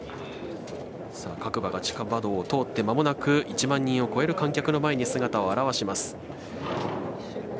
各馬が地下馬道を通ってまもなく１万人を超える観客の前に姿を現します。